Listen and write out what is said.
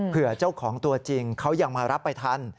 เจ้าของตัวจริงเขายังมารับไปทัน